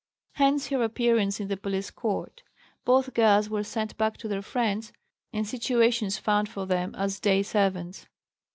Hence her appearance in the Police Court. Both girls were sent back to their friends, and situations found for them as day servants.